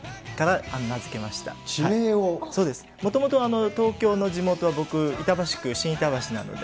もともと東京の地元は僕、板橋区新板橋なので。